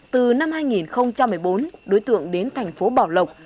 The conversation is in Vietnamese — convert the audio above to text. từ năm hai nghìn một mươi bốn đối tượng đến thành phố bảo lộc